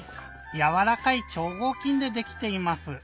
やわらかいちょうごう金でできています。